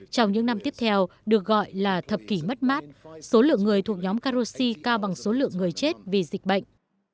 trong những năm tiếp theo được gọi là thập kỷ mất mát số lượng người thuộc nhóm carosi cao bằng số lượng người chết vì dịch bệnh